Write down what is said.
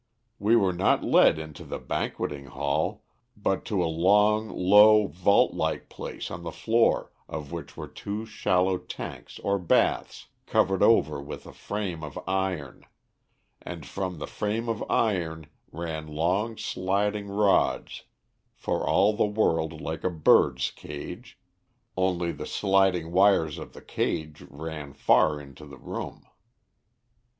We were not led into the banqueting hall, but to a long, low vault like place on the floor of which were two shallow tanks or baths covered over with a frame of iron, and from the frame of iron ran long sliding rods for all the world like a bird cage, only the sliding wires of the cage ran far into the room.